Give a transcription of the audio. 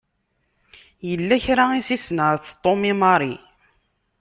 Yella kra i s-isenɛet Tom i Mary.